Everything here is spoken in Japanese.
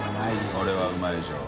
これはうまいでしょう。